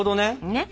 ねっ。